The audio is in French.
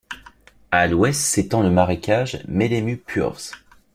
A l'ouest s'étend le marécage Mēdemu purvs.